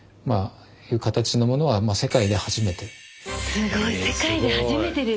すごい世界で初めてですって！